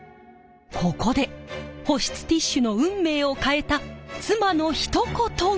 ここで保湿ティッシュの運命を変えた妻のひと言が！